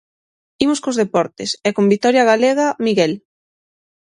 Imos cos deportes, e con vitoria galega, Miguel.